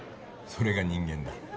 それが人間だ。